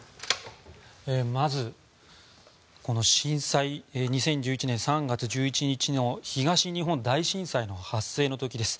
まず、２０１１年３月１１日の東日本大震災の発生の時です。